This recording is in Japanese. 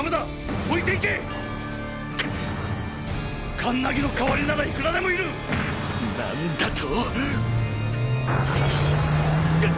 カンナギの代わりならいくらでもいるなんだと⁉ぐっ！